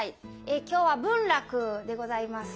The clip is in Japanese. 今日は文楽でございます。